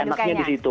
di anaknya disitu